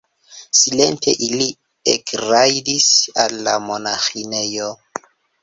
Silente ili ekrajdis al la monaĥinejo.